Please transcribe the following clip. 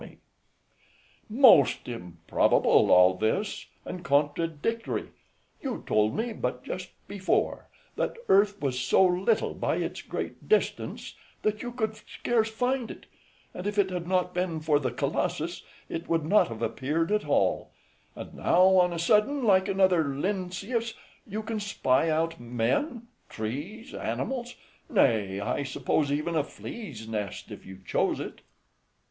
FRIEND. Most improbable, all this, and contradictory; you told me but just before, that the earth was so little by its great distance, that you could scarce find it, and, if it had not been for the Colossus, it would not have appeared at all; and now, on a sudden, like another Lynceus, you can spy out men, trees, animals, nay, I suppose, even a flea's nest, if you chose it.